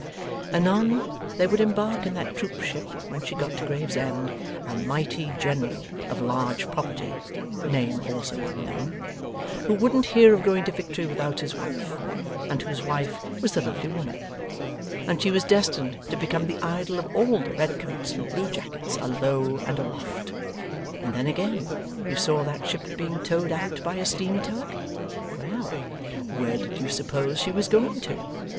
Anon, there would embark in that troop ship when she got to Gravesend, a mighty general, of large property (name also unknown), who wouldn't hear of going to victory without his wife, and whose wife was the lovely woman, and she was destined to become the idol of all the red coats and blue jackets alow and aloft. And then again: you saw that ship being towed out by a steam tug? Well! where did you suppose she was going to?